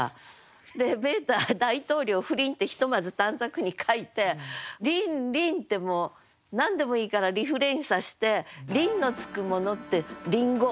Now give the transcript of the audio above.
で「米大統領不倫」ってひとまず短冊に書いて「りんりん」ってもう何でもいいからリフレインさせて「りん」のつくものって「りんご」。